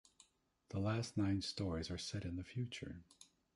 The last nine stories are set in the future.